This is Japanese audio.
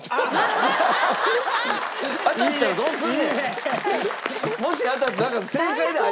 当たったらどうすんねん。いいね。